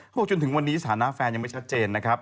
บอกจนถึงวันนี้สถานะแฟนยังไม่ชัดเจนนะครับ